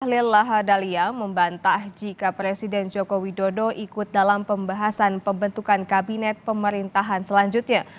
bahlil lahadalia membantah jika presiden joko widodo ikut dalam pembahasan pembentukan kabinet pemerintahan selanjutnya